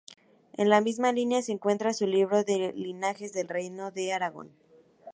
En la misma línea se encuentra su libro de "Linajes del reino de Aragón".